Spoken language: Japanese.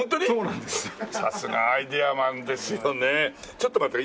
ちょっと待ってね。